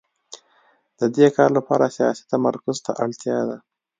د دې کار لپاره سیاسي تمرکز ته اړتیا ده